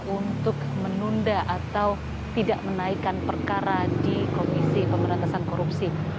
untuk menunda atau tidak menaikkan perkara di komisi pemberantasan korupsi